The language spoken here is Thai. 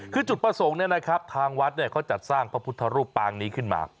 คือจุดประสงค์เนี่ยนะครับทางวัดเขาจัดสร้างพระพุทธรูปปางนี้ขึ้นมา